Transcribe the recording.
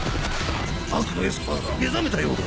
悪のエスパーが目覚めたようだ。